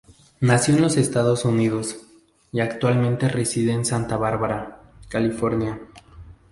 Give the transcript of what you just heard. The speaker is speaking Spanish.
Nació en los Estados Unidos, y actualmente reside en Santa Bárbara, California.